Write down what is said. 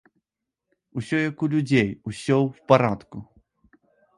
Усё як у людзей, усё ў парадку.